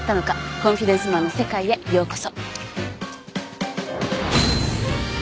コンフィデンスマンの世界へようこそ。